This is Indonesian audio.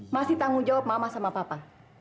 masih tanggung jawab mama sama papa